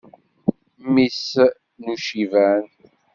Mmi-s n uciban.